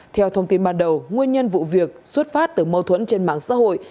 theo thông tin ban đầu nguyên nhân vụ việc xuất phát từ mâu thuẫn trên mạng xã hội